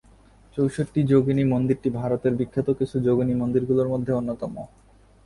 চৌষট্টি যোগিনী মন্দিরটি ভারতের বিখ্যাত কিছু যোগিনী মন্দির গুলির মধ্যে অন্যতম।